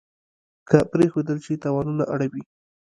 که پرېښودل شي تاوانونه اړوي.